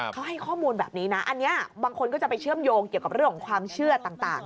เขาให้ข้อมูลแบบนี้นะอันนี้บางคนก็จะไปเชื่อมโยงเกี่ยวกับเรื่องของความเชื่อต่าง